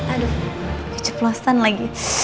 aduh keceplosan lagi